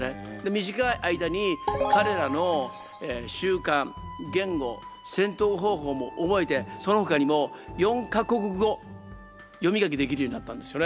短い間に彼らの習慣言語戦闘方法も覚えてそのほかにも４か国語読み書きできるようになったんですよね。